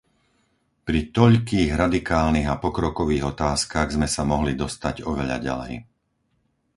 Pri toľkých radikálnych a pokrokových otázkach sme sa mohli dostať oveľa ďalej.